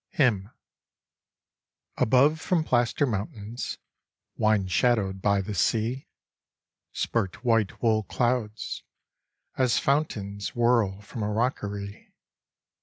I Hymn, ABOVE from plaster mountains, Wine shadowed by the sea, Spurt white wool clouds, as fountains Whirl from a rockery.